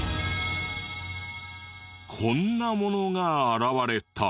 こんなものが現れた。